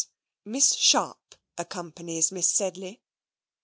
Miss Sharp accompanies Miss Sedley.